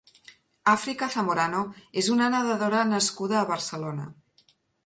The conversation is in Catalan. África Zamorano és una nedadora nascuda a Barcelona.